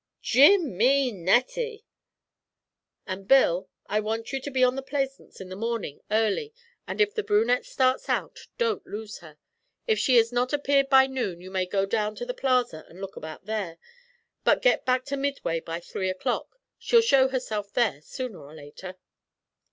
'Jim mi netti!' 'And, Bill, I want you to be on the Plaisance in the morning early, and if the brunette starts out, don't lose her. If she has not appeared by noon you may go down to the Plaza and look about there, but get back to Midway by three o'clock; she'll show herself there sooner or later.'